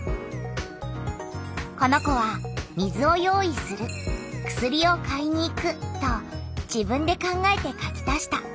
この子は「水を用意する」「薬を買いに行く」と自分で考えて書き足した。